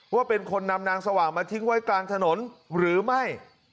ว่าเป็นคนนำนางสว่างมาทิ้งไว้กลางถนนหรือไม่